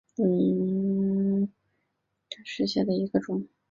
羽状刚毛藨草为莎草科藨草属下的一个种。